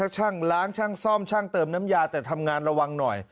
ช่างล้างช่างซ่อมช่างเติมน้ำยาแต่ทำงานระวังหน่อย